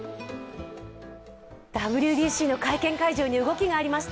ＷＢＣの会見会場に動きがありました。